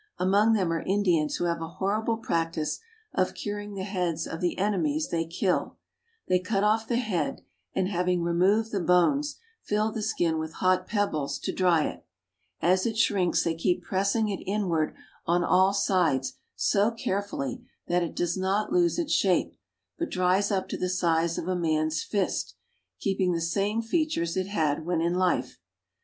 Among them are Indians who have a horrible practice of curing the heads of the ene mies they kill. They cut off the head and, having removed the bones, fill the skin with hot pebbles to dry it. As it shrinks they keep pressing it inward on all sides so carefully that it does not lose its shape, but dries up to the, size of a man's fist, keeping the same features it had when in life.